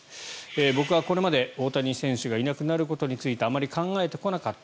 僕はこれまで大谷選手がいなくなることについてあまり考えてこなかった。